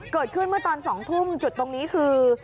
เกิดขึ้นเมื่อตอน๒ทุ่มจุดตรงนี้คือ